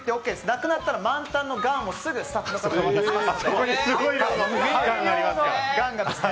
なくなったら満タンのガンをすぐにスタッフが渡します。